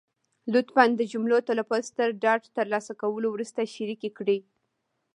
لطفا د جملو تلفظ تر ډاډ تر لاسه کولو وروسته شریکې کړئ.